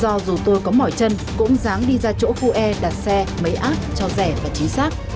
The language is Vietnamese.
do dù tôi có mỏi chân cũng dáng đi ra chỗ khu e đặt xe máy ác cho rẻ và chính xác